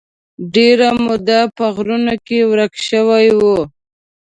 ډېره موده په غرونو کې ورک شوی و.